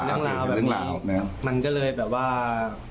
เหตุเรื่องราวแบบนี้มันก็เลยแบบว่า